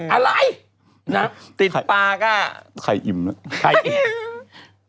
อะไรนะติดปากอ่ะใครอิ่มนะใครอิ่ม